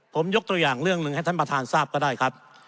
ผมยกตัวอย่างเรื่องหนึ่งให้ท่านประธานทราบก็ได้ครับ